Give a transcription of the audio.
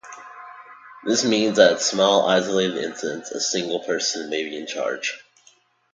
This means that at small, isolated incidents a single person may be in charge.